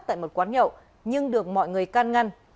tại một quán nhậu nhưng được mọi người can ngăn